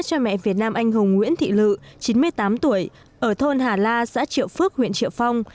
cho mẹ việt nam anh hùng nguyễn thị lự chín mươi tám tuổi ở thôn hà la xã triệu phước huyện triệu phong